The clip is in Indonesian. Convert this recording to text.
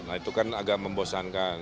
nah itu kan agak membosankan